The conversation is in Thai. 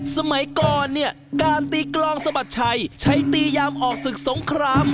สมัยก่อนเนี่ยการตีกลองสะบัดชัยใช้ตียามออกศึกสงคราม